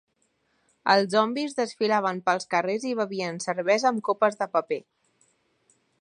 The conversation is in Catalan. Els zombis desfilaven pels carrers i bevien cervesa amb copes de paper.